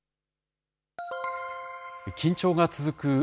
緊張が続く